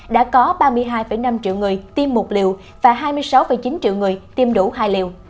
đã có ba mươi hai năm triệu người tiêm mục liệu và hai mươi sáu chín triệu người tiêm đủ hai liều